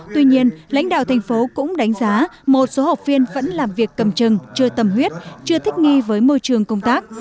tuy nhiên lãnh đạo thành phố cũng đánh giá một số học viên vẫn làm việc cầm chừng chưa tầm huyết chưa thích nghi với môi trường công tác